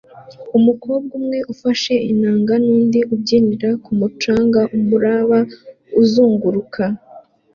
Umukobwa umwe ufashe inanga nundi ubyinira ku mucanga umuraba uzunguruka